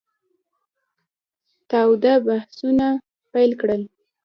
تاوده بحثونه پیل کړل.